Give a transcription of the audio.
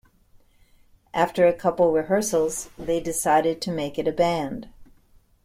After a couple rehearsals, they decided to make it a band.